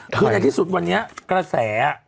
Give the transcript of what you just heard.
คือในที่สุดวันนี้กระแส